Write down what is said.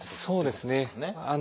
そうですね。